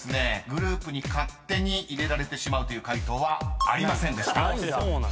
グループに勝手に入れられてしまうという回答はありませんでした］